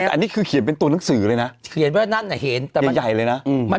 อันนี้คือเขียนเป็นตัวหน้างสื่อเลยนะเห็นยังใหญ่เลยนะ